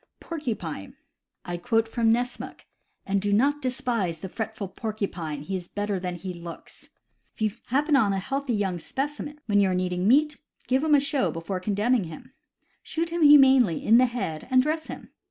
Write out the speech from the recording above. Porcupine. — I quote from Nessmuk: "And do not despise the fretful porcupine; he is better than he looks. If you happen on a healthy young specimen when you are needing meat, give him a show before condemning him. Shoot him humanely in the head, and dress him.